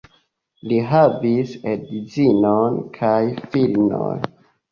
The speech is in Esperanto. Li havis edzinon kaj filinon.